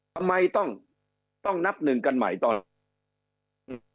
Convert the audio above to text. ทำไมต้องนับหนึ่งกันใหม่ตอนนี้